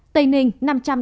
tây ninh sáu ca